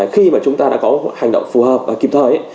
khi mà chúng ta đã có hành động phù hợp và kịp thời